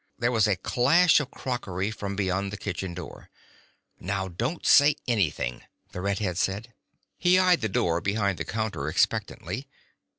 There was a clash of crockery from beyond the kitchen door. "Now don't say anything," the red head said. He eyed the door behind the counter expectantly.